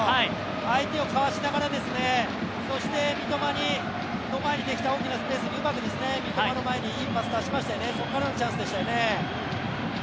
相手をかわしながら、そして三笘の前にできたスペースにうまく三笘の前にいいパス出しましたよね、そこからのチャンスでしたよね。